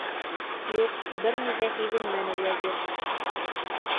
Юҡ, бер ни ҙә һиҙенмәне Вәзир.